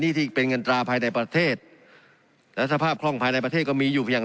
นี่ที่เป็นเงินตราภายในประเทศและสภาพคล่องภายในประเทศก็มีอยู่อย่าง